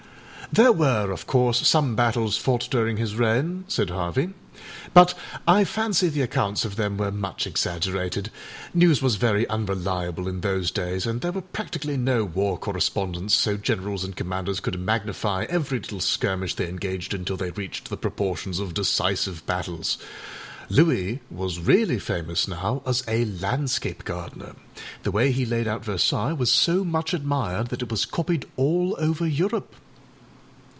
âThere were, of course, some battles fought during his reign,â said Harvey, âbut I fancy the accounts of them were much exaggerated; news was very unreliable in those days, and there were practically no war correspondents, so generals and commanders could magnify every little skirmish they engaged in till they reached the proportions of decisive battles. Louis was really famous, now, as a landscape gardener; the way he laid out Versailles was so much admired that it was copied all over Europe.